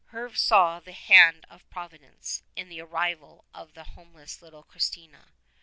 Herve saw the hand of Providence in the arrival of the homeless little Kristina.